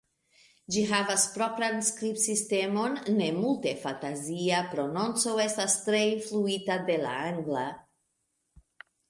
Ĝi havas propran skribsistemon, ne multe fantazia, prononco estas tre influita de la angla.